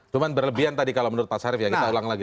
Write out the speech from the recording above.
cuma berlebihan tadi kalau menurut pak sarif ya kita ulang lagi